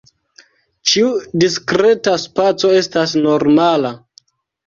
Ĉiu diskreta spaco estas normala.